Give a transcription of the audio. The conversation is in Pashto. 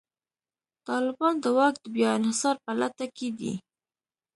طالبان د واک د بیا انحصار په لټه کې دي.